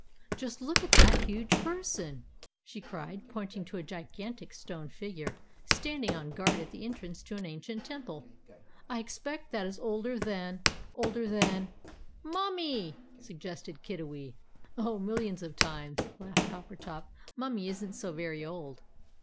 "Just look at that huge person!" she cried, pointing to a gigantic stone figure, standing on guard at the entrance to an ancient temple. "I expect that is older than older than " "Mummie!" suggested Kiddiwee. "Oh, millions of times!" laughed Coppertop. "Mummie isn't so very old."